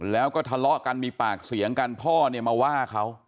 แล้วก็ทะเลาะกันมีปากเสียงกันพ่อเนี่ยมาว่าเขา